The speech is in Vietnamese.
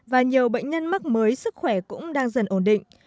và nhiều bệnh nhân mắc mới sức khỏe cũng đang dần ổn định